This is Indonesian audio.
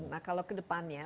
nah kalau ke depannya